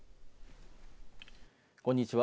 こんにちは。